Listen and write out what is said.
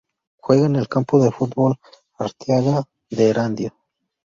Juega en el Campo de Fútbol Arteaga de Erandio.